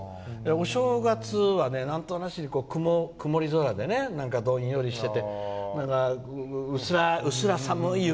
お正月はなんとなしに曇り空でどんよりしてて、薄ら寒い雪